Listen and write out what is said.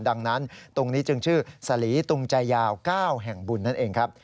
ดังนั้นตรงนี้จึงชื่อสลีตุงใจยาว๙แห่งบุญนั่นเองครับ